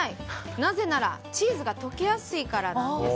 なぜなら、チーズが溶けやすいからなんです。